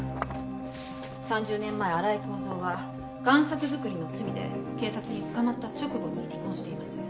３０年前荒井孝蔵は贋作づくりの罪で警察に捕まった直後に離婚しています。